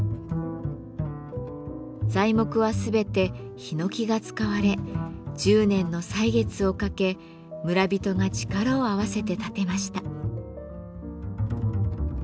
材木は全てひのきが使われ１０年の歳月をかけ村人が力を合わせて建てました。